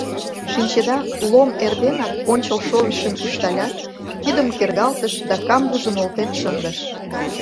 Шинчеда, Лом эрденак, ончыл шовычым ӱшталят, кидым кергалтыш да камбузым олтен шындыш...